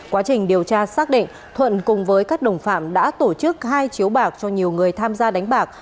quá trình điều tra xác định thuận cùng với các đồng phạm đã tổ chức hai chiếu bạc cho nhiều người tham gia đánh bạc